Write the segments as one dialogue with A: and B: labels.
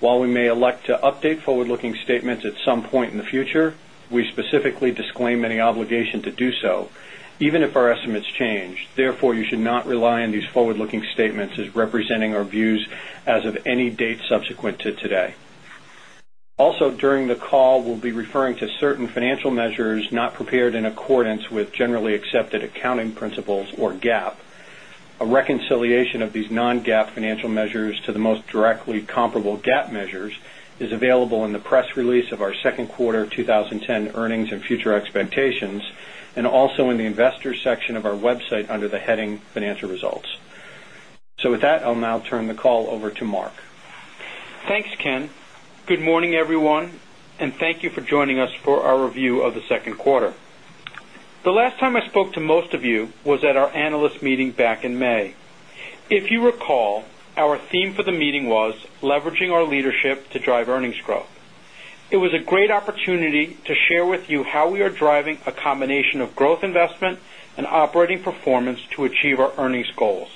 A: While we may elect to update forward looking statements at some point in the future, we specifically disclaim any obligation to do so, even if our estimates change. Therefore, you should not rely on these forward looking statements as representing our views as of any date subsequent to today. Receivables or GAAP. A reconciliation of these non GAAP financial measures to the most directly comparable GAAP measures is available in the press release of our Q2 2010 earnings and future expectations and also in the Investors section of our website under the heading results. So with that, I'll now turn the call over to Mark.
B: Thanks, Ken. Good morning, everyone, and thank you for joining us for our review of the second quarter. The last time I spoke to most of you was at our analyst meeting back in May. If you recall, our theme for the meeting was leveraging leadership to drive earnings growth. It was a great opportunity to share with you how we are driving a combination of growth investment and operating performance to achieve our earnings goals.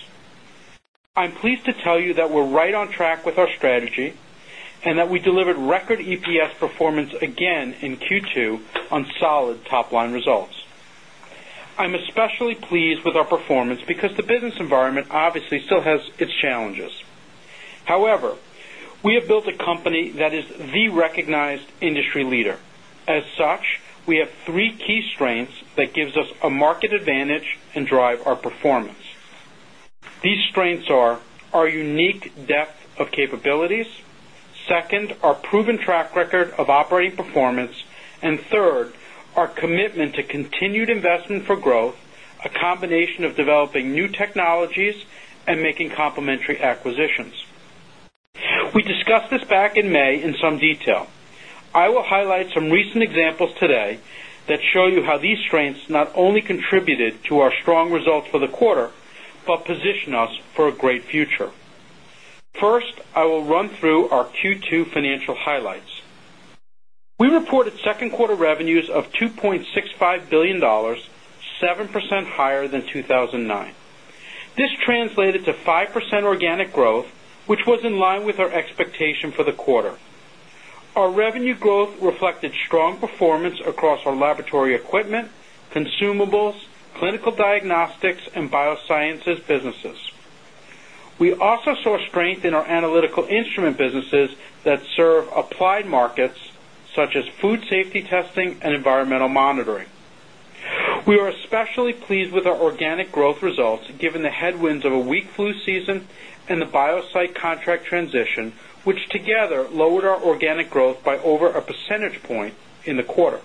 B: I'm pleased to tell you that we're right on track with our strategy and that we delivered record EPS performance again in Q2 SMQ on solid top line results. I'm especially pleased with our performance because the business environment S. M. A. R. S. Obviously still has its challenges. However, we have built a company that is the recognized industry leader. As such, we have 3 key strengths that gives us a market advantage and drive our performance. These strengths are our unique S. Investment for growth, a combination of developing new technologies and making complementary acquisitions. Q2 financial highlights. We reported 2nd quarter revenues of $2,650,000,000 7 percent higher than 2,000 9. This translated to 5% organic growth, which was in line with our expectation for the quarter. Our revenue growth submission, which together lowered our organic growth by over a percentage point in the quarter.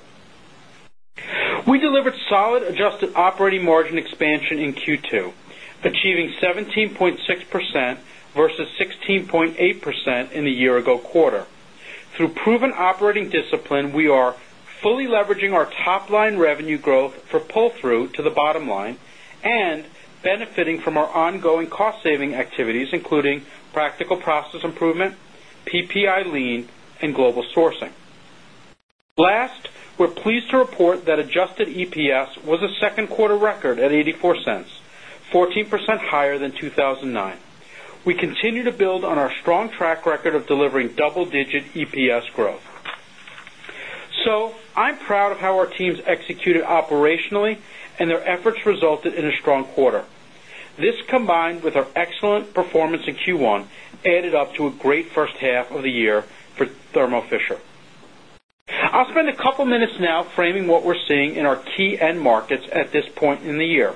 B: We delivered solid adjusted operating margin expansion Q2 achieving 17.6% versus 16.8% in the year ago quarter. Through proven operating discipline, we are fully leveraging our top line revenue growth for pull through to the bottom line and S. And Global Sourcing. Estimates are not included in the Q2. We are pleased to report that adjusted EPS was a 2nd quarter record at $0.84 14% higher than 2 S-1,009. We continue to build on our strong track record of delivering double digit EPS growth. So I'm proud of how our teams first half of the year for Thermo Fisher. I'll spend a couple of minutes now framing what we're seeing in our key end markets at this point in the year.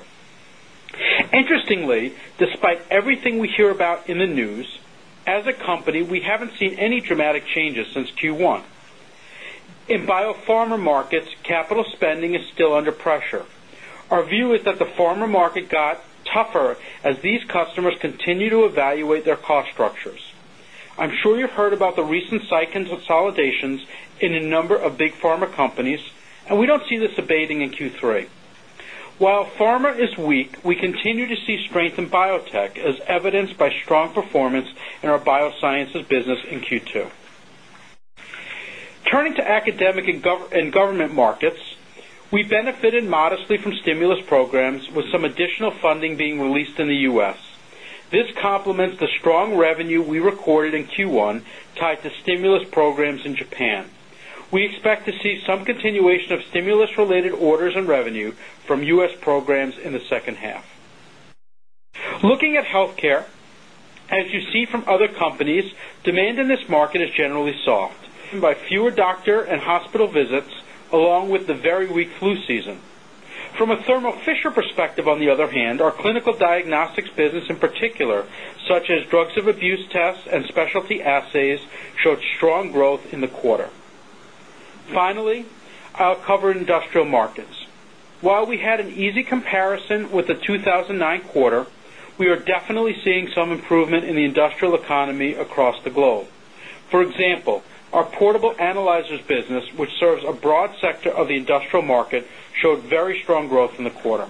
B: Interestingly, despite everything we hear about in the news, as a company, we haven't seen any dramatic changes since Q1. In S. EICON consolidations in a number of big pharma companies and we don't see this abating in Q3. While pharma is weak, we continue to SME strength in biotech as evidenced by strong performance in our biosciences business in Q2. Turning to academic and government markets, we benefited modestly from stimulus programs with some additional funding being released in the U. S. Stimulus related orders and revenue from U. S. Programs in the second half. Looking at healthcare, as you from other companies, demand in this market is generally soft by fewer doctor and hospital visits along with the very weak flu season. From and A showed strong growth in the quarter. Finally, I'll cover industrial markets. While we had an easy comparison with the 2,009 quarter, we are definitely seeing some improvement in the industrial economy across the globe. For example, our portable analyzers business, which serves a broad sector of the industrial market, showed very strong growth in the quarter.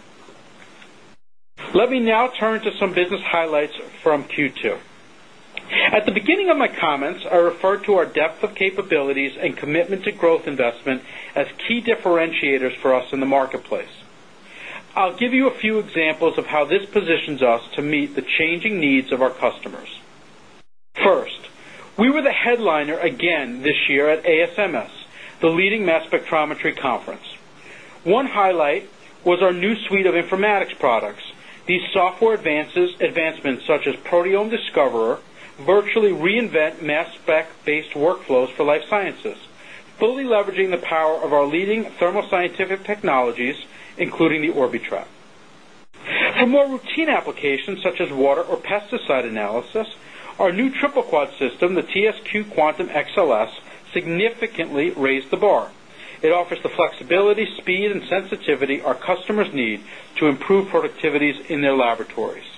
B: Let me now turn to some business estimates from Q2. At the beginning of my comments, I referred to our depth of capabilities and commitment to growth investment as key differentiators for us in marketplace. I'll give you a few examples of how this positions us to meet the changing needs of our customers. First, we were the headliner began this year at ASMS, the leading mass spectrometry conference. One highlight was our new suite of informatics products. These software estimates such as proteome Discoverer virtually reinvent mass spec based workflows for life sciences, fully leveraging the power of our leading thermal scientific technologies, including the Orbitrap. For more routine applications such as water or pesticide analysis, our new SMEQUAD system, the TSQ Quantum XLS significantly raised the bar. It offers the flexibility, speed and sensitivity our customers need to S. E. To improve productivities in their laboratories.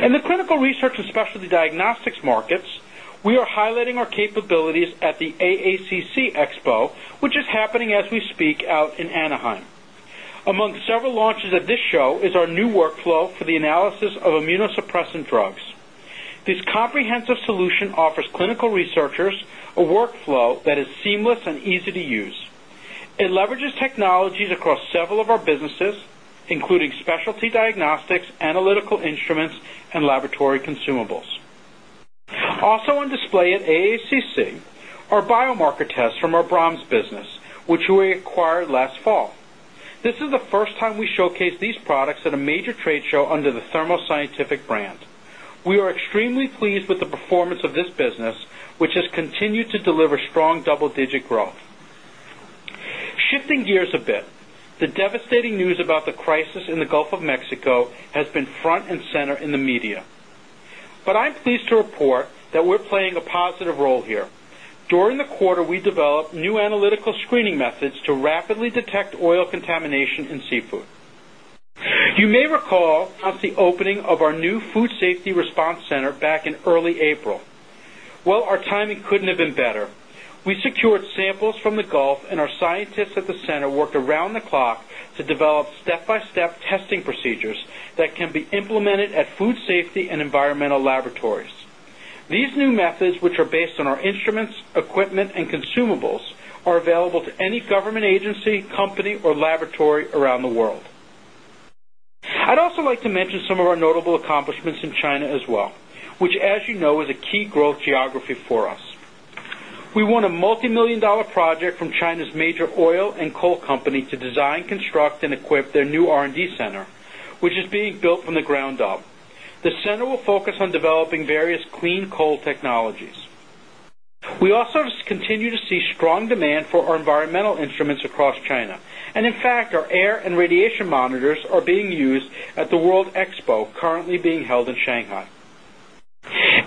B: In the clinical research and specialty diagnostics markets, we are highlighting our capabilities at the AACC and
C: C
B: analysis of immunosuppressant drugs. This comprehensive solution offers clinical researchers a workflow that is seamless and easy SMEs are ready to use. It leverages technologies across several of our businesses, including specialty diagnostics, instruments and laboratory consumables. Also on display at AACC are biomarker tests from our Brahms business, S. Which we acquired last fall. This is the first time we showcase these products at a major trade show under the Thermo Scientific man's. We are extremely pleased with the performance of this business, which has continued to deliver strong double digit growth. Shifting are that we're playing a positive role here. During the quarter, we developed new analytical screening methods to rapidly detect estimate would have been better. We secured samples from the Gulf and our scientists at the center worked around the clock to develop step by testing procedures that can be implemented at food safety and environmental laboratories. These new methods, which are based on our instruments, equipment consumables are available to any government agency, company or laboratory around the world. I'd also like to mention some of our notable accomplishments in China as well, which as you know is a key growth geography for us. We won a multimillion dollar project from China's major oil and coal company to design, construct and equip their new R and D center, which is being built from the ground up. The center will focus on is developing various clean coal technologies. We also continue to see strong demand for our environmental instruments across China. And in fact, our air and radiation monitors are being used at the World Expo currently being held in Shanghai.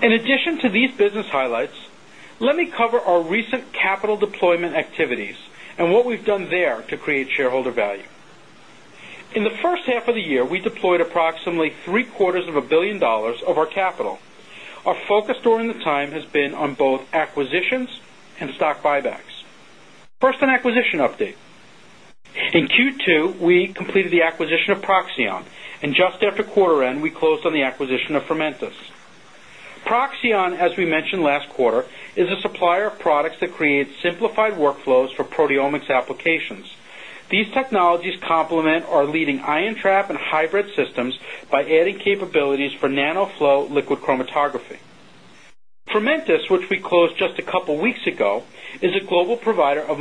B: In addition to these business highlights, let SME, we deployed approximately $0.75 billion of our capital. Our focus during the time has been on both acquisitions and stock buybacks. 1st on acquisition update. In Q2, we completed the acquisition of estimate is not a problem. Just after quarter
C: end, we closed on the acquisition of Fermentis.
B: Proxion, as we mentioned last quarter, is a supplier of products creates simplified workflows for proteomics applications. These technologies complement our leading ion trap and hybrid systems by adding capabilities for Nano Flow Liquid Chromatography. Fermentis, which we closed just a couple of weeks ago, is a global provider of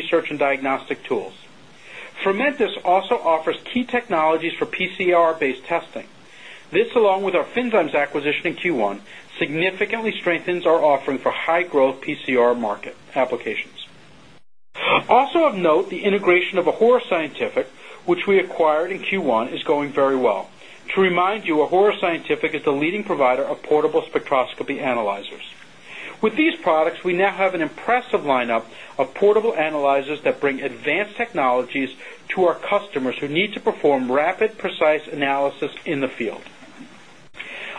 B: search and diagnostic tools. Fermentis also offers key technologies for PCR based testing. This along with our FinDymes acquisition in Q1 Hohr Scientific, which we acquired in Q1 is going very well. To remind you, Hohr Scientific is the leading provider of portable spectroscopy analyzers. With these products, we now have an impressive lineup of portable analyzers that bring advanced technologies to our customers who need to perform estimate precise analysis in the field.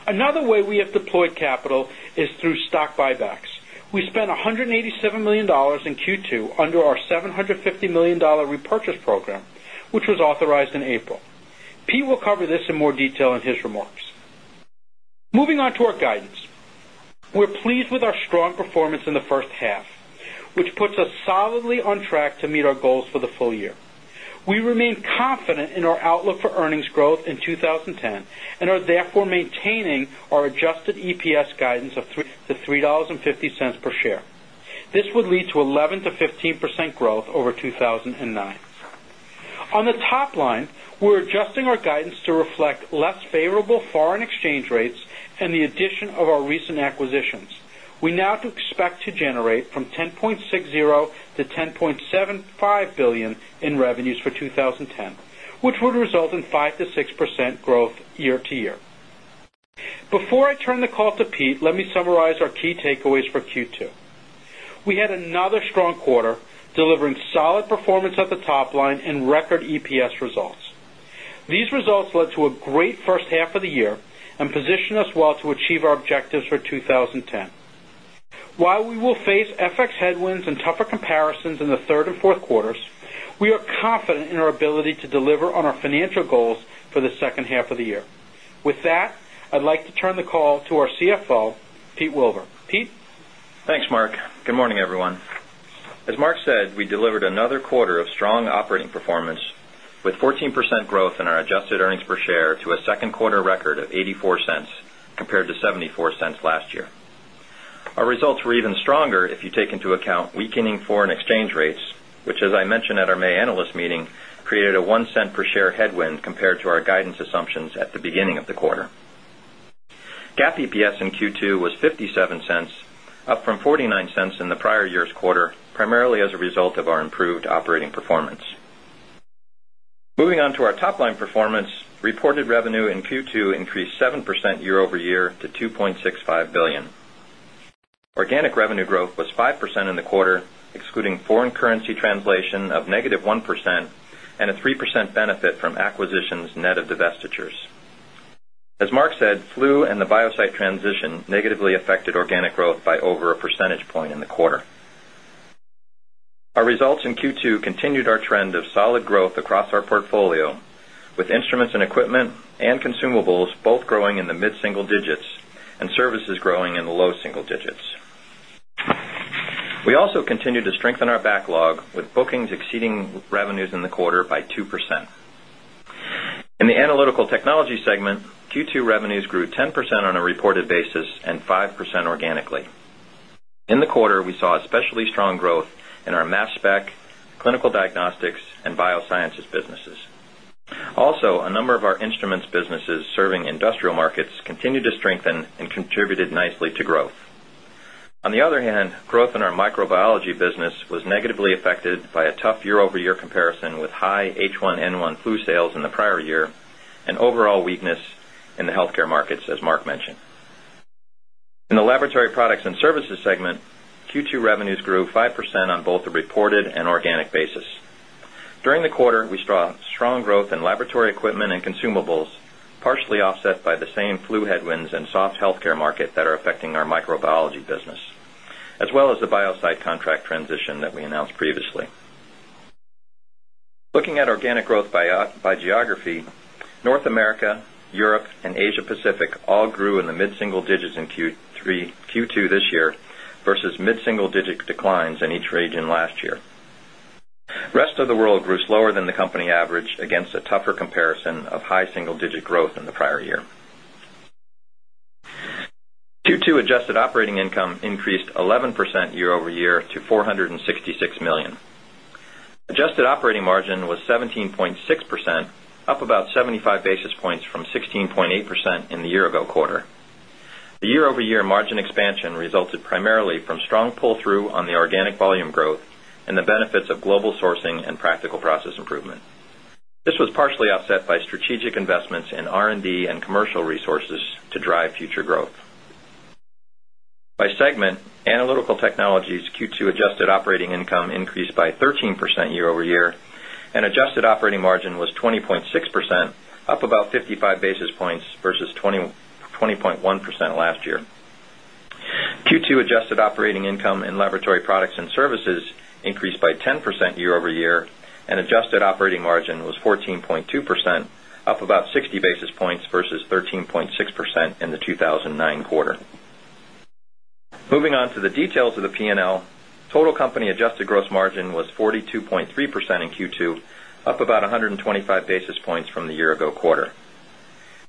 B: Another way we have deployed capital is through stock buybacks. We spent $187,000,000 in Q2 under our $750,000,000 repurchase program, which was authorized in April. Pete will cover this in more detail in his remarks. Moving on to estimates are subject to the impact of
C: our earnings. We're pleased
B: with our strong performance in the first half, which puts us solidly on track to meet our goals for the full year. We remain confident in our outlook for earnings growth in 2010 and are therefore maintaining our adjusted EPS guidance of is $3.50 per share. This would lead to 11% to 15% growth over 2,009. On the top estimate is below the range
C: of $1,000,000,000. We're adjusting our
B: guidance to reflect less favorable foreign exchange rates and the addition of our recent acquisitions. Estimates are not subject to generate from $10,060,000,000 to $10,750,000,000 in revenues for results led to a great first half of the year and position us well to achieve our objectives for 20 10. While we will face FX headwinds and SMA's comparable sales were up in the Q3 and Q4. We are confident in our ability to deliver on our financial goals for the second half of the year. With that, I'd like to turn the call to our CFO, Pete Wilbur.
D: Pete? Thanks, Mark. Good morning, everyone. As Mark said, we delivered another quarter of strong operating estimates with 14% growth in our adjusted earnings per share to a second quarter record of $0.84 compared to 0.74 estimates last year. Our results were even stronger if you take into account weakening foreign exchange rates, which as I mentioned at our May S and P and L meeting created a $0.01 per share headwind compared to our guidance assumptions at the beginning of the quarter. GAAP EPS in Q2 was $0.57 up from $0.49 in the prior year's quarter, primarily as a result of our improved operating performance. Moving on to our SG and A. Organic revenue growth was 5% in the quarter, excluding foreign currency translation of negative 1% and a 3% benefit from acquisitions net of divestitures. As Mark said, flu and the BioSight transition negatively affected growth by over a percentage point in the quarter. Our results in Q2 continued our trend of solid growth across our portfolio with instruments and equipment and consumables both growing in the mid single digits and services growing in the low is single digits. We also continue to strengthen our backlog with bookings exceeding revenues in the quarter by SG and A segment, Q2 revenues grew 10% on a reported basis and 5% SME business is a relatively strong growth in our mass spec, clinical diagnostics and biosciences businesses. SMG business was negatively affected by a tough year over year comparison with high H1N1 flu sales in the prior year and overall weakness in the healthcare estimates, as Mark mentioned. In the Laboratory Products and Services segment, Q2 revenues grew 5% on both the reported and organic basis. During estimate by geography, North America, Europe and Asia Pacific all grew in the mid single digits in Q3 Q2 this year versus mid single digit declines in each region last year. Rest of the world grew slower than the company average against a tougher comparison of high single is expected to grow in the prior year. Q2 adjusted operating income increased 11% year over year to 4 S-266,000,000 Adjusted operating margin was 17.6%, up about 75 basis points from 16 8% in the year ago quarter. The year over year margin expansion resulted primarily from strong pull through on the organic volume growth and the benefits of global sourcing and practical process improvement. This was partially offset by strategic investments in R and D and commercial resources to drive future growth. Estimated revenue was $1,000,000,000 by segment, Analytical Technologies Q2 adjusted operating income increased by 13% year over estimated operating margin was 20.6%, up about 55 basis points versus 20.1% estimate last year. Q2 adjusted operating income in laboratory products and services increased by 10% estimate of the year and adjusted operating margin was 14.2%, up about 60 basis points versus 13.6% in the 2,009
C: estimate is not included in the Q2.
D: Moving on to the details of the P and L. Total company adjusted gross margin was 42.3 percent in Q2, up about 125 basis points from the year ago quarter.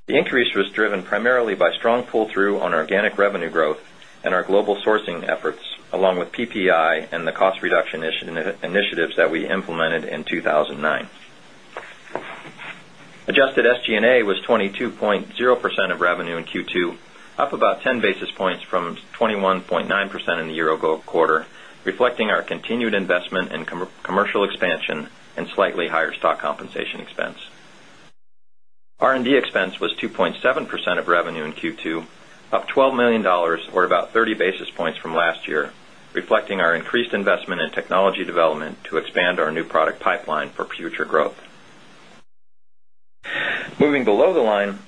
D: The increase was driven primarily by strong pull through on organic revenue growth and our global sourcing efforts along with PPI and the cost reduction initiatives that we implemented in 2,009. Adjusted SG and A was 22.0 percent of revenue in Q2, up about 10 basis points from 21 point SG and A expenses were up 9% in the year ago quarter, reflecting our continued investment in commercial expansion and slightly higher SG and A expense. R and D expense was 2.7 percent of revenue in Q2, up $12,000,000 or $21,000,000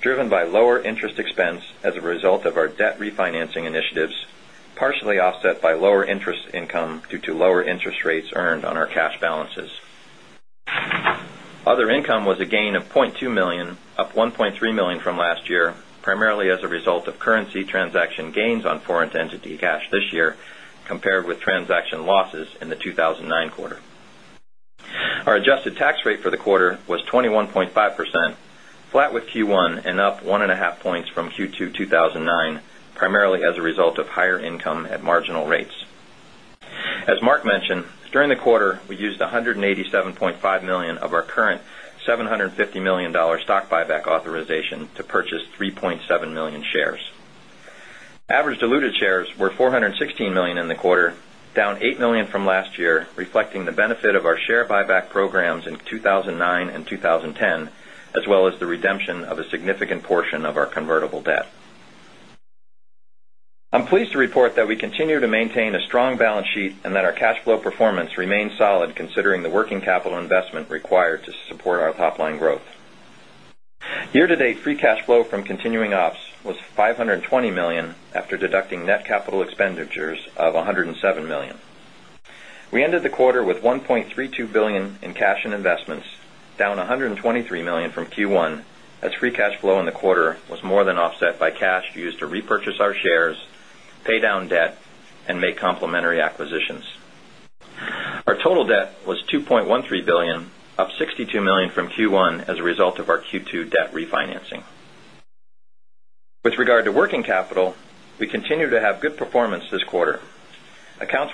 D: driven by lower interest expense as a result of our debt refinancing initiatives, partially offset by lower interest income to lower interest rates earned on our cash balances. Other income was a gain of $200,000 up 1,300,000 from last year, primarily as a result of currency transaction gains on foreign entity cash this year compared with transaction losses in the SG and A quarter. Our adjusted tax rate for the quarter was 21.5%, flat with Q1 and up 1.5 points from Q2 2 S. And 9, primarily as a result of higher income at marginal rates. As Mark mentioned, during the quarter, we used 180 of our current $750,000,000 stock buyback authorization to purchase 3,700,000 shares. Average diluted shares were 416,000,000 in the quarter, down 8,000,000 from last year, reflecting the benefit of our share buyback programs in 2,009 2010, as as well as the redemption of a significant portion of our convertible debt. I'm pleased to report that we continue and P and L maintain a strong balance sheet and that our cash flow performance remains solid considering the working capital investment required to support our top line growth. Year to date, free cash flow from continuing ops was $520,000,000 after deducting net capital expenditures of of $107,000,000 We ended the quarter with $1,320,000,000 in cash and investments, down $123,000,000 from Q1 as free cash flow in the quarter was more than offset by cash used to repurchase our shares, pay down debt and make complementary acquisitions.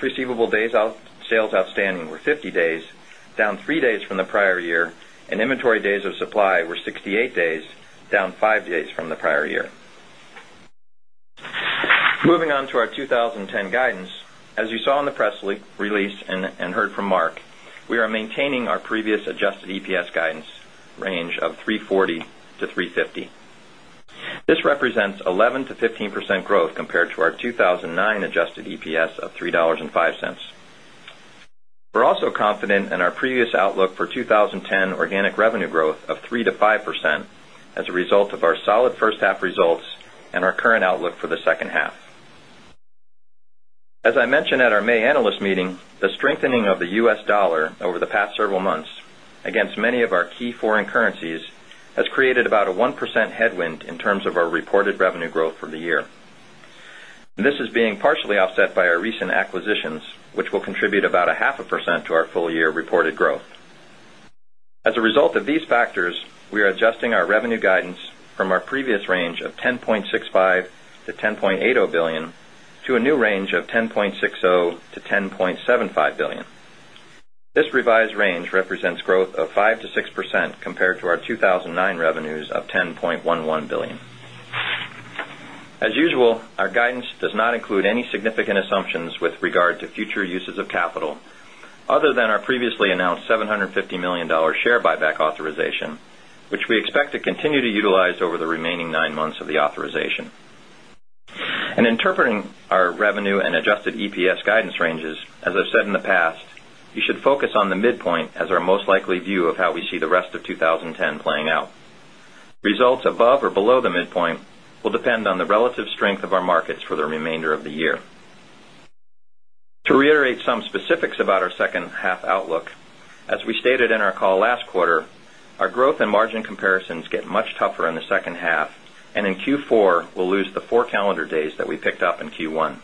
D: Receivable days sales outstanding were 50 days, down 3 days from the prior year and inventory days of supply were 68 days, down 5 days from the prior year. Moving on to our 20 10 guidance, as you saw in the press release and heard remark, we are maintaining our previous adjusted EPS guidance range of $3.40 to $3.50 This represents 11% to 15% growth compared estimate is similar to our 2,009 adjusted EPS of $3.05 We're also confident in our previous outlook for 20 and organic revenue growth of 3% to 5% as a result of our solid first half results and our current outlook for the second our key foreign currencies has created about a 1% headwind in terms of our reported revenue growth for the year. This is being estimate of these factors, we are adjusting our revenue guidance from our previous range of $10,650,000,000 to $10,800,000,000 to a new range of 10 point S. O. To $10,750,000,000 This revised range represents growth of 5% to 6% compared to our 2,009 revenues of 10 estimate is $11,000,000 As usual, our guidance does not include any significant assumptions with regard to future uses of capital other than our previously S. And A. We expect to continue to utilize over the remaining 9 months of the authorization. And interpreting our revenue and adjusted EPS guidance ranges, as I've said in the past, you should focus on the midpoint as our most likely view of how we see the rest of 2010 second half and in Q4 we'll lose the 4 calendar days that we picked up in Q1.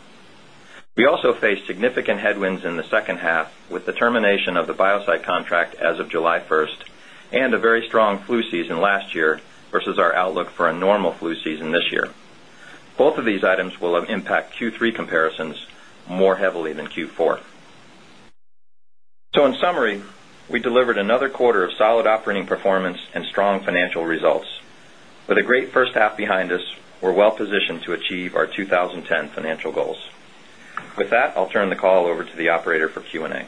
D: We also faced significant headwinds in the second half with of the Biocyte contract as of July 1 and a very strong flu season last year versus our outlook for a normal flu season this year. Both of these items will have impact Q3 comparisons more heavily than Q4. So in summary, we delivered another quarter of solid operating performance and strong financial results. With a great first half behind us, we're well positioned to achieve our 20 financial goals. With that, I'll turn the call over to the operator for Q and A.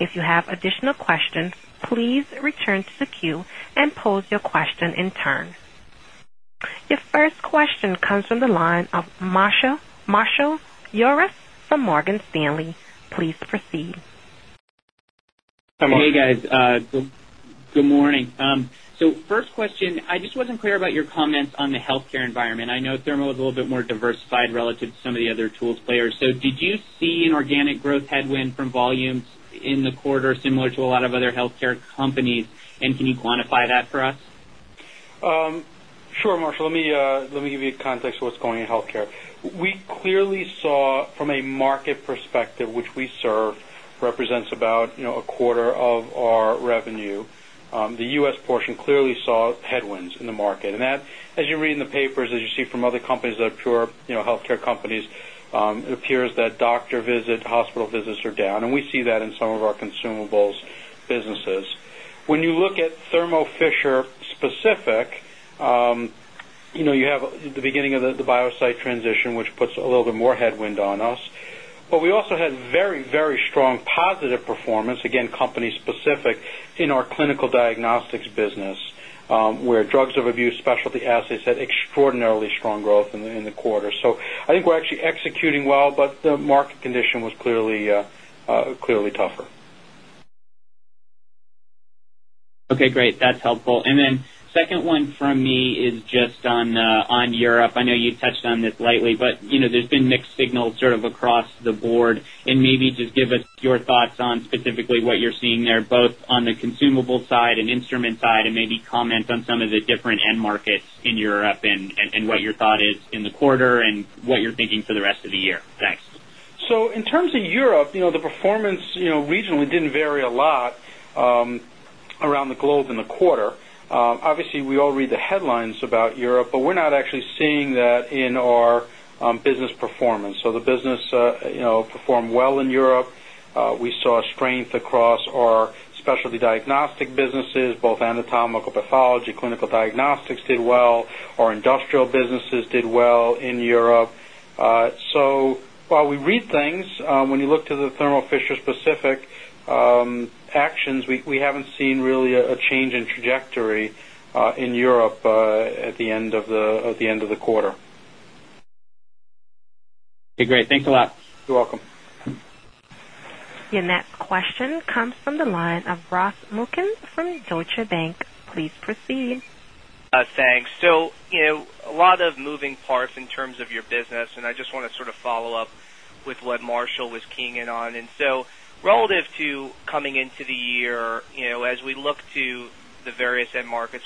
E: Your first question comes from the line of Marshall Uris from Morgan Stanley. Please proceed.
F: Hey, guys. Good morning. So first question, I just wasn't clear about your comments on the healthcare environment. I know Thermo is a little bit more diversified relative to some of the other tools players. So did you see an organic growth headwind from volumes in the quarter similar to a lot
C: of other healthcare companies? And can you
F: quantify that for us? To a lot of other healthcare companies and can you quantify that for us?
B: Sure, Marshall. Let me give you a context of what's going in health We clearly saw from a market perspective, which we serve represents about a quarter of our revenue. The U. S. Portion clearly saw headwinds in the market. And that, as you read in the papers, as you see from other companies that are pure healthcare companies, it appears estimated hospital visits are down and we see that in some of our consumables businesses. When you look at Thermo Fisher specific, you have the beginning of the BioSight transition, which puts a little bit more headwind on us. But we SME assets had extraordinarily strong growth in the quarter. So I think we're actually executing well, but the market condition was are clearly tougher.
F: Okay, great. That's helpful. And then second one from me is just on Europe, I know you touched on this lightly, but there's been mixed signals sort of across the board. And maybe just give us estimate is that we're seeing there both on the consumable side and instrument side and maybe comment on some of the different end markets in Europe and what your thought is in in the quarter and what you're thinking for the rest of the year? Thanks.
B: So in terms of Europe, the performance regionally didn't vary is a lot around the globe in the quarter. Obviously, we all read the headlines about Europe, but we're not actually seeing that in our business performance. So the business performed well in Europe. We saw strength across our specialty diagnostic businesses, both Anatomical Pathology, Clinical Diagnostics did well, our industrial businesses did well in Europe. So while estimate we read things, when you look to the Thermo Fisher specific actions, we haven't seen really a change in trajectory in Europe estimate at the end of the quarter.
E: Your next question comes from the line Ross Muken from Deutsche Bank. Please proceed.
G: Thanks. So a lot of moving parts in terms of your business and I just want to sort follow-up with what Marshall was keying in on. And so relative to coming into the year, as we look to the various end markets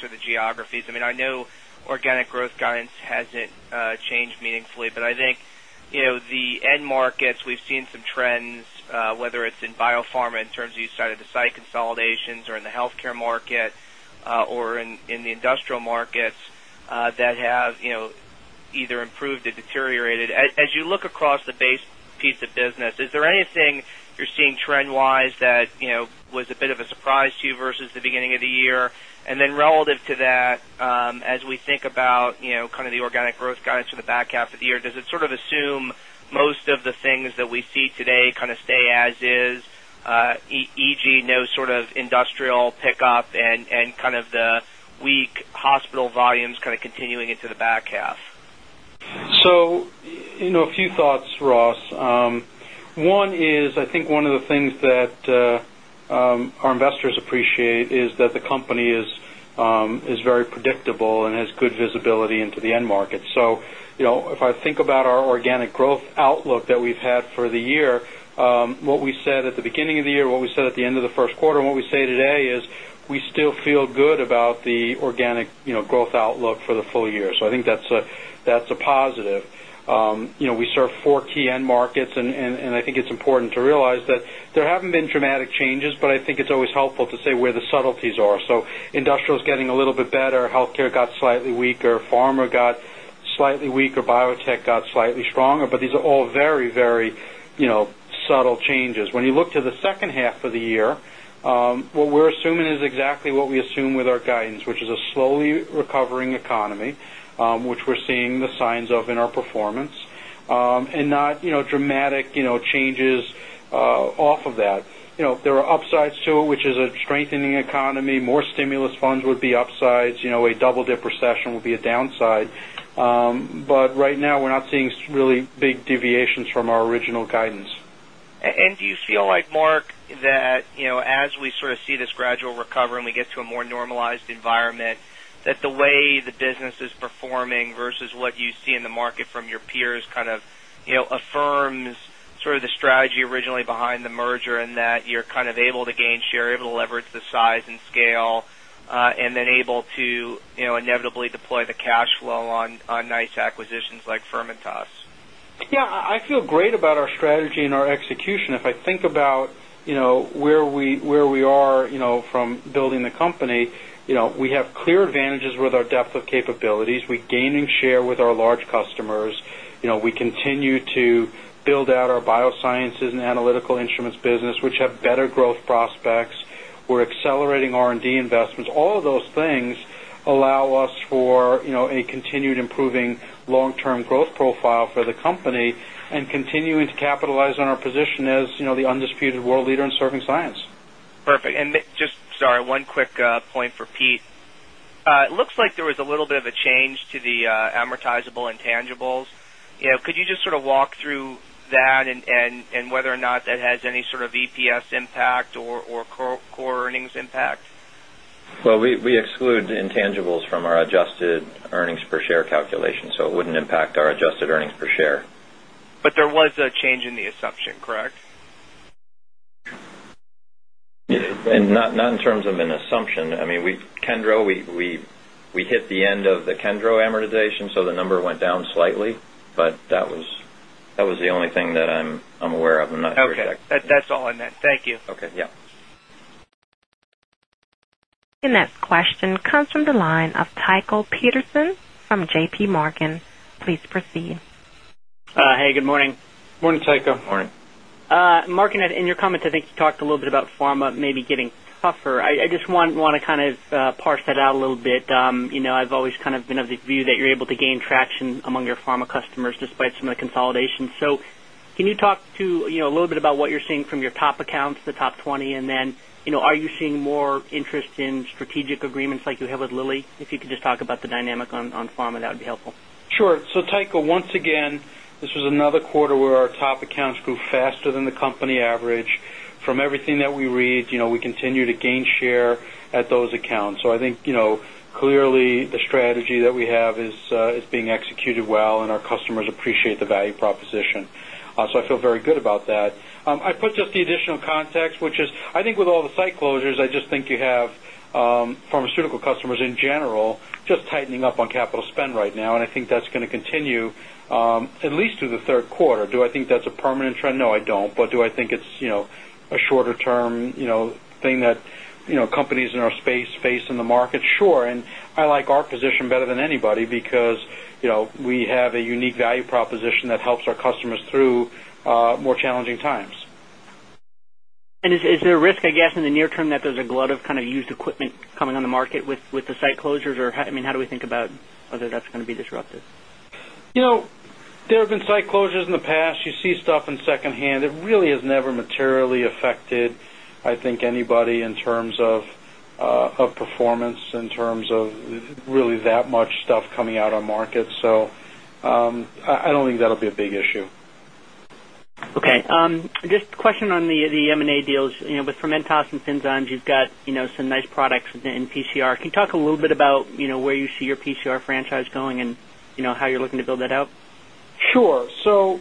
G: estimates, whether it's in biopharma in terms of use side of the site consolidations or in the healthcare market or in the industrial SMEs that have either improved or deteriorated. As you look across the base piece of business, is there anything you're seeing trend estimate was a bit of a surprise to you versus the beginning of the year? And then relative to that, as we think about estimate, kind of the organic growth guidance for the back half of the year, does it sort of assume most of the things that we see today kind of stay as is, industrial pickup and kind of the weak hospital volumes kind of continuing into the back half?
B: So a few thoughts, Ross. One is, I think one of the things that associates appreciate is that the company is very predictable and has good visibility into the end market. So if I think about our organic growth outlook that we've had for the year, what we said at the beginning of the year, what we said at the end of the first what we say today is we still feel good about the organic growth outlook for the full year. So I think that's a positive. We serve 4 key S and P end markets and I think it's important to realize that there haven't been dramatic changes, but I think it's always helpful to say where the subtleties are. So industrial is getting a little SMB or healthcare got slightly weaker, pharma got slightly weaker, biotech got slightly stronger, but these are all very, very fully recovering economy, which we're seeing the signs of in our performance, and not dramatic changes off of that. Spot right now we're not seeing really big deviations from our original guidance.
G: And do you feel like Mark that as we sort of see this gradual recovery and gets to a more normalized environment that the way the business is performing versus what you see in the market from your peers kind of affirms sort S. And
B: S. Strategy and our execution, if I think about where we are from building the company, we have clear advantages with our S and P capabilities, we're gaining share with our large customers. We continue to build out our biosciences and analytical instruments business, which have better growth prospects, we're accelerating R and D investments, all of those things allow us for a continued improving long growth profile for the company and continuing to capitalize on our position as the undisputed world leader in serving science.
G: Perfect. And Just sorry, one quick point for Pete. It looks like there
H: was a little bit of
G: a change to the amortizable intangibles. Could you just sort of walk through that and whether or not that has any sort of EPS impact or core earnings impact?
D: Well, we exclude intangibles from our adjusted earnings per share calculation, so it wouldn't impact our adjusted earnings per is there.
G: But there was a change in the assumption, correct?
D: Not in in terms of an assumption, I mean, we Kendra, we hit the end of the Kendra amortization, so the number went down slightly, but that was the only thing that SMM I'm aware of, I'm not sure exactly. Okay.
G: That's all in that. Thank you.
B: Okay. Yes.
E: Your next question comes from the line
H: Mark, in your comments, I think you talked a little bit about pharma maybe getting tougher. I just want to kind of parse that out a little bit. I've SME's. I've always kind of been of the view that you're able to gain traction among your pharma customers despite some of the consolidation. So can you talk to a little bit about what you're seeing from your top SME accounts the top 20 and then are you seeing more interest in strategic agreements like you have with Lilly? If you could just talk about the dynamic on pharma, that would be helpful.
B: Sure. So Tycho, once SG and A. Again, this was another quarter where our top accounts grew faster than the company average. From everything that we read, we continue to gain share at those accounts. So I think clearly the strategy that we have is being executed well and our customers appreciate the value proposition. So I feel very good about that. I put Additional context, which is I think with all the site closures, I just think you have pharmaceutical customers in general just tightening up on capital spend right now and I think that's going continue, at least through the Q3, do I think that's a permanent trend? No, I don't. But do I think it's a shorter term thing that companies in our space face in the market, sure. And I like our position better than anybody because we have a unique value proposition that helps our customers through more challenging times.
H: And is there a risk, I guess, in the near term There's a glut of kind of used equipment coming on the market with the site closures or I mean, how do we think about whether that's going to be disrupted?
B: There have been site exposures in the past, you see stuff in second hand, it really has never materially affected, I think, anybody in terms of performance, in terms SMO is really that much stuff coming out on market. So, I don't think that'll be a big issue.
H: Okay. Just a question on the M and A SME, with Fermentos and Finzymes, you've got some nice products in PCR. Can you talk a little bit about where you see your PCR franchise going and how you're looking to build that out?
B: Sure. So,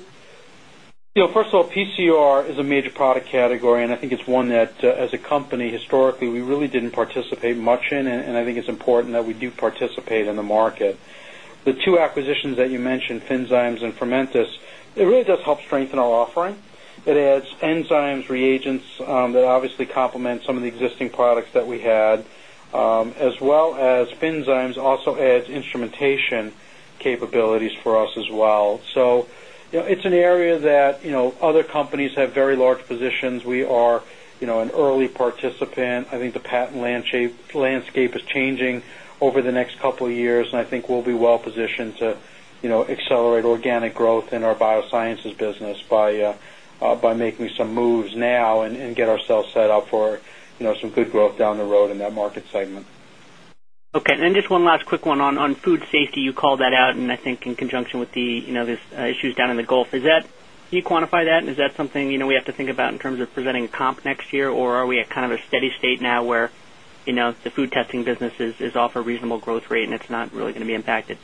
B: first of all, PCR is a major product category and I think it's one that as a company historically we really didn't participate much and I think it's important that we do participate in the market. The 2 acquisitions that you mentioned, Finzymes and Fermentis, it really does help strengthen offering, it adds enzymes, reagents that obviously complement some of the existing products that we had, as well as FinZymes also adds instrumentation capabilities for us as well. So it's an area that other companies very large positions, we are an early participant. I think the patent landscape is changing over the next couple of years and I think we'll be positions accelerate organic growth in our biosciences business by making some moves now and get ourselves is set up for some good growth down the road in that market segment.
H: Okay. And then just one last quick one on food safety, you called that out and I think in conjunction with the issues Down in the Gulf, is that can you quantify that? And is that something we have to think about in terms of presenting comp next year? Or are we at kind of a steady state now where the food testing businesses is offer a reasonable growth rate and it's not really going to be impacted?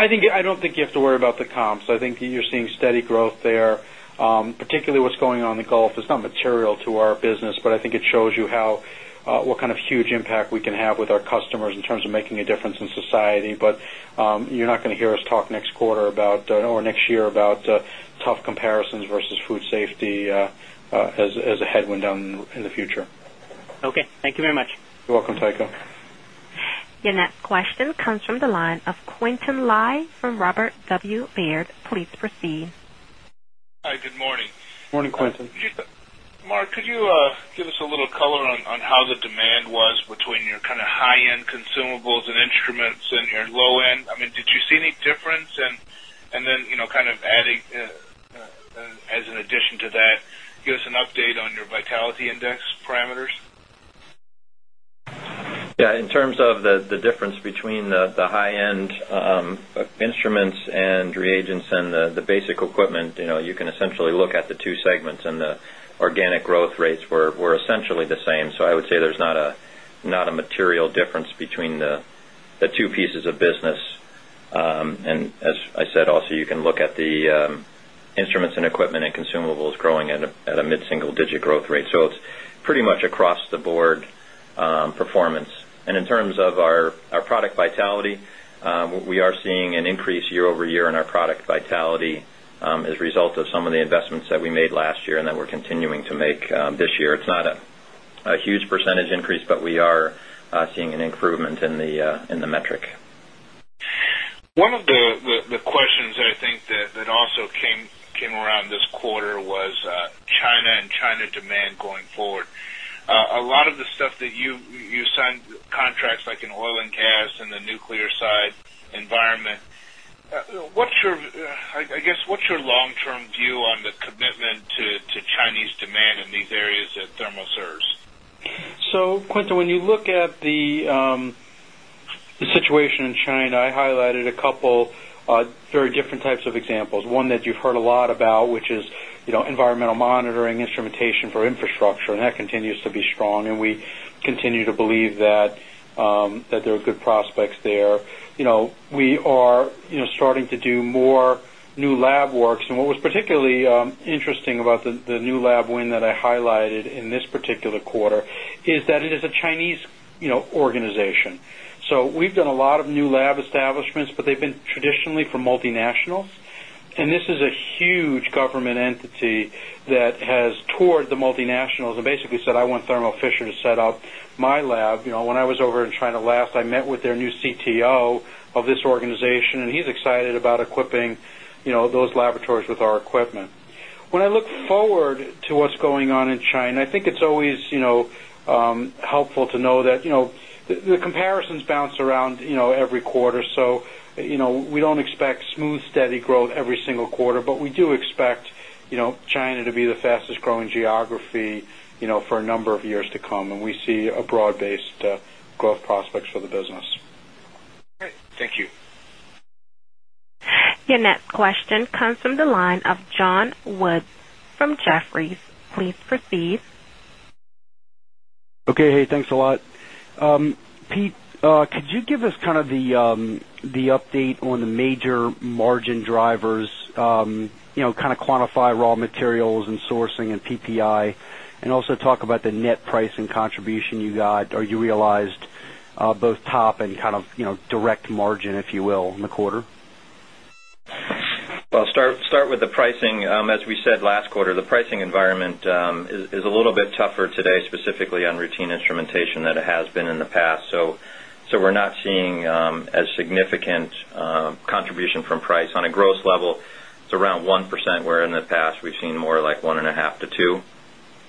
H: I don't think you have
B: to worry about the comps. I think you're seeing steady growth there, particularly what's going on in the Gulf is not material to our business, but I think it shows you how what kind of huge impact we can have with our customers in terms of making a difference in society. But you're not going to hear us talk next quarter about next year about tough comparisons versus food safety as a headwind down in the future. Okay. Thank you very much. You're welcome, Tycho.
E: Your next question comes from the line of Quentin Lai from Robert W. Baird. Please proceed.
I: Hi, good morning.
B: Good morning, Quintin.
I: Mark, could you give us a little color on how the demand was between your kind of high end consumables and instruments in your low end, I mean, did you see any difference? And then kind of adding as an addition to that, give us an update estimate on your vitality index
C: parameters? Yes. In terms
D: of the difference between the high end instruments and reagents and the basic equipment, you can essentially look at the 2 segments and the organic growth rates were essentially is the same. So I would say there's not a material difference between the two pieces of business. And as I said also you can look at the instruments and equipment and consumables growing at a mid single digit growth rate. So it's pretty much across the estimates are not in the
I: One of the questions that I think that also came around this quarter was SME China and China demand going forward. A lot of the stuff that you signed contracts like in oil and gas and the nuclear side environment, I guess, what's your long term view on the commitment to Chinese demand in these areas at ThermoSirs?
B: So Quintin, when you look at the situation in China, I highlighted a couple very different types of examples. Was one that you've heard a lot about, which is environmental monitoring, instrumentation for infrastructure, and that continues to be strong and we to believe that there are good prospects there. We are starting to do more new lab works. And what was particularly interesting about the new lab win that I highlighted in this particular quarter is that it is a Chinese organization. So we've done a lot of new lab establishments, but they've been traditionally for multinationals. And this is a huge government entity that has toured the multinationals and basically said, I want Thermo Fisher to set up my lab. When I was over in China last, I met with their new CTO of this organization and he's excited about equipping those laboratories with our equipment. When I look forward to what's going on in China, I think it's always S. Helpful to know that the comparisons bounce around every quarter. So we don't expect smooth steady growth every single quarter, but we do expect China to be the fastest growing geography for a number of years to come, and we see a broad estimate is to growth prospects for the business.
I: Great. Thank you.
E: Your next question comes from the line of John
C: estimate From Jefferies. Please proceed.
J: Okay. Hey, thanks a lot. Pete, could you give us kind of the update on SME major margin drivers kind of quantify raw materials and sourcing and PPI and also talk about the net pricing contribution assumption you got or you realized both top and kind of direct margin, if you will, in the quarter?
D: Well, start with the pricing. Estimating as we said last quarter, the pricing environment is a little bit tougher today specifically on routine instrumentation than it has in the past. So we're not seeing a significant contribution from price. On a gross level, it's around 1%, where in the past we've seen more like 1.5% to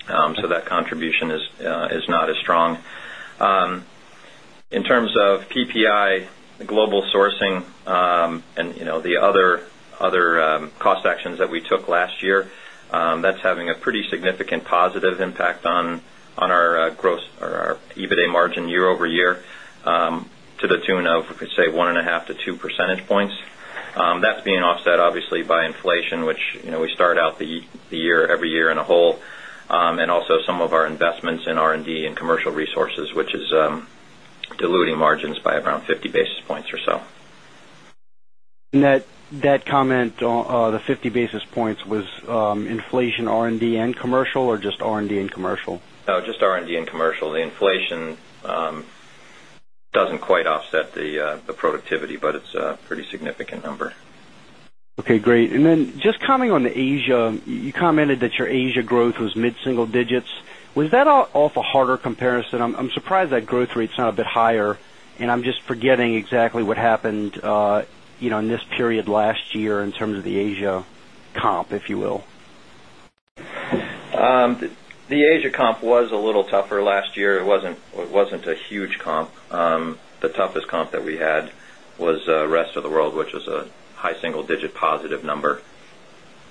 D: 2%. So that contribution is not as strong. We took last year, that's having a pretty significant positive impact on our gross or our EBITDA margin year over year to the estimate of, let's say, 1.5 to 2 percentage points, that's being offset obviously by inflation, which we start out the year every year in a whole, and also some our investments in R and D and commercial resources, which is diluting margins by around 50 basis points or so.
J: Meant the 50 basis points was inflation R and D and commercial or just R and D and commercial?
D: No, just R and D and commercial. The inflation estimate doesn't quite offset the productivity, but it's a pretty significant number.
K: Okay, great. And then just Coming on
J: the Asia, you commented that your Asia growth was mid single digits. Was that off a harder comparison? I'm surprised that growth rates not a bit higher and I'm just getting exactly what happened in this period last year in terms of the Asia comp, if you will?
D: The Asia comp was a little tougher last year. It wasn't a huge comp. The toughest comp we had was rest of the world, which is a high single digit positive number.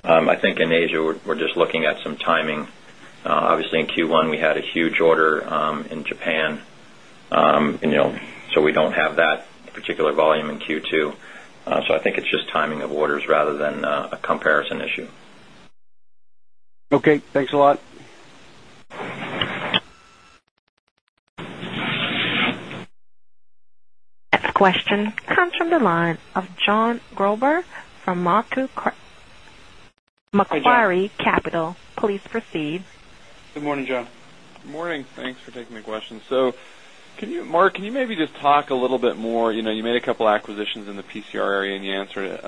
D: I think in Asia, we're just looking at some timing. Obviously, in Q1, we had a huge order in Japan, so we don't have that particular volume in Q2. So I think it's just timing of orders other than a comparison issue.
J: Okay. Thanks a lot.
E: Macquarie Capital. Please proceed.
L: Good morning, John. Good morning. Thanks for taking the question. So can you Mark, Can you maybe just talk a little bit more, you made a couple of acquisitions in the PCR area and you answered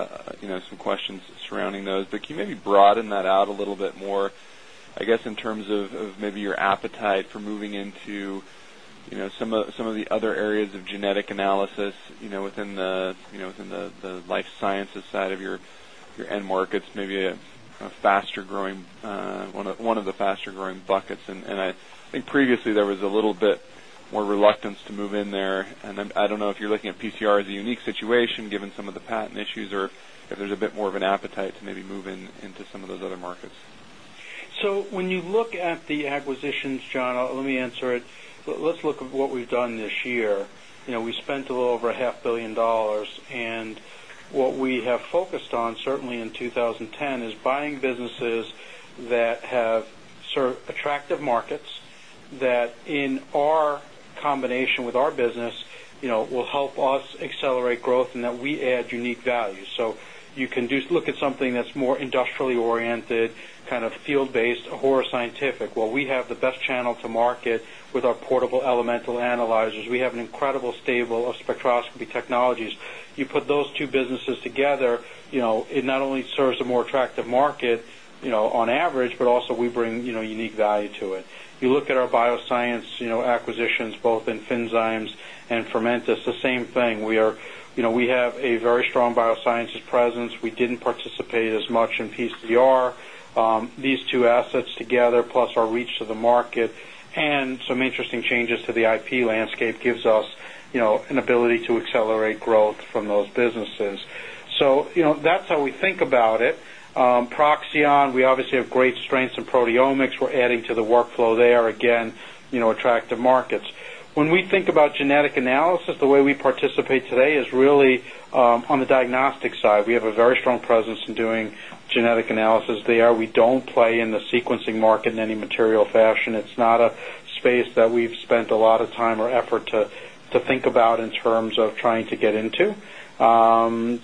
L: some questions surrounding those, but can you maybe broaden that out a little bit more, I guess, in terms of maybe your appetite for moving into some of the other areas of genetic analysis within the life sciences side of your end markets, maybe a faster growing one of the faster growing buckets. And I think previously there was a little bit more reluctance to move in there. And I don't know if you're looking at PCR as a unique situation given some of the patent issues or if there is a bit more of an appetite to maybe move into some of those other markets?
B: So when you look at the acquisitions, John, let SME answer it, let's look at what we've done this year. We spent a little over $500,000,000 and what thing that's more industrially oriented, kind of field based, a horror scientific, while we have the best channel to market with our portable elemental analyzers, we have an incredible stable spectroscopy technologies. You put those two businesses together, it not only serves a more attractive market on average, but also we bring unique value to it. If you look at our bioscience acquisitions, both in Finxymes and Fermentis, the same thing. We have have a very strong biosciences presence, we didn't participate as much in PCR. These two assets together plus our reach to the market estimate and some interesting changes to the IP landscape gives us an ability to accelerate growth from those estimate is. So that's how we think about it. Proxion, we obviously have great strengths in proteomics. We're adding to the workflow SMO there again attractive markets. When we think about genetic analysis, the way we participate today is really on the diagnostic we have a very strong presence in doing genetic analysis there. We don't play in the sequencing market in any material fashion. It's not a space that we've spent a a lot of time or effort to think about in terms of trying to get into. So